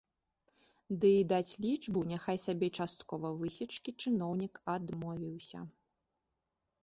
Ды й даць лічбу няхай сабе і часткова высечкі чыноўнік адмовіўся.